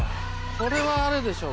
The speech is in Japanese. これはあれでしょう。